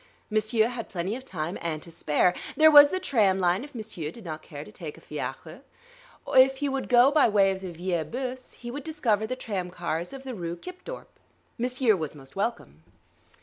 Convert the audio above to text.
M'sieur had plenty of time, and to spare. There was the tram line, if m'sieur did not care to take a fiacre. If he would go by way of the Vielle Bourse he would discover the tram cars of the Rue Kipdorp. M'sieur was most welcome....